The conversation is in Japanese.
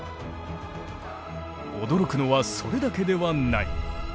驚くのはそれだけではない。